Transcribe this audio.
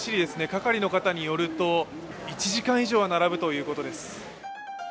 係の方によると１時間以上は並ぶということです。